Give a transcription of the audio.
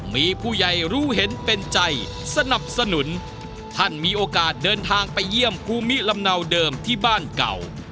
มีผู้ใหญ่รู้เห็นเป็นใจสนับสนุนท่านมีโอกาสเดินทางไปเยี่ยมภูมิลำเนาเดิมที่บ้านเก่า